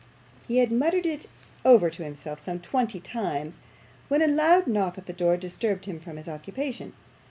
He had muttered it over to himself some twenty times, when a loud knock at the door disturbed him from his occupation.